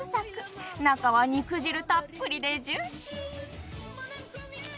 中は肉汁たっぷりでジューシー。